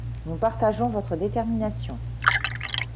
Nous partageons votre détermination.